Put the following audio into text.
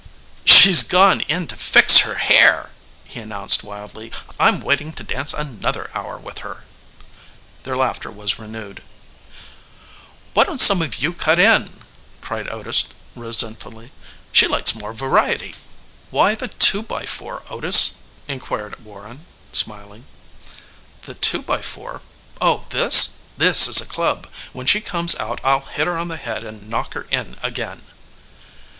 "She's gone in to fix her hair," he announced wildly. "I'm waiting to dance another hour with her." Their laughter was renewed. "Why don't some of you cut in?" cried Otis resentfully. "She likes more variety." "Why, Otis," suggested a friend "you've just barely got used to her." "Why the two by four, Otis?" inquired Warren, smiling. "The two by four? Oh, this? This is a club. When she comes out I'll hit her on the head and knock her in again."